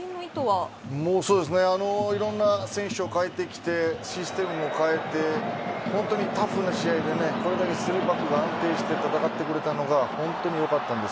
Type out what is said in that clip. いろんな選手を変えてきてシステムも変えて本当にタフな試合で３バックが安定して戦ってくれたのが良かったです。